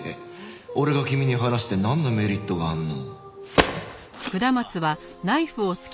俺が君に話してなんのメリットがあんの？